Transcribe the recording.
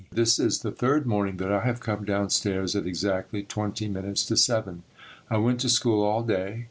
This is the third morning that I have come down stairs at exactly twenty minutes to seven. I went to school all day.